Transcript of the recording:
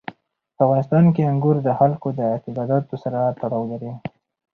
په افغانستان کې انګور د خلکو د اعتقاداتو سره تړاو لري.